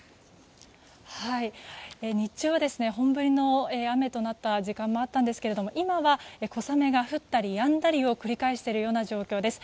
日中は本降りの雨となった時間もあったんですが今は小雨が降ったりやんだりを繰り返しているような状況です。